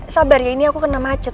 sabar ya ini aku kena macet